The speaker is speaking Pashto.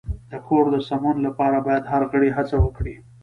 د کور د سمون لپاره باید هر غړی هڅه وکړي.